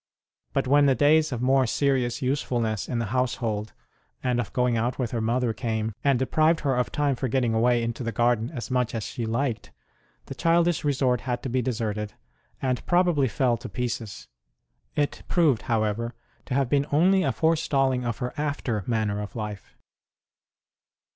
But when the days of more serious usefulness in the household, and of going out with her mother, came and deprived her of time for getting away IO2 ST. ROSE OF LIMA into the garden as much as she liked, the childish resort had to be deserted, and probably fell to pieces. It proved, however, to have been only a forestalling of her after manner of life.